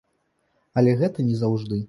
Але гэта не заўжды.